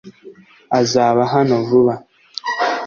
azaba hano vuba